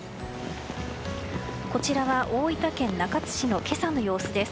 大分県中津市の今朝の様子です。